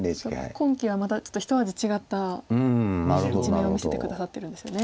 今期はまたちょっと一味違った一面を見せて下さってるんですよね。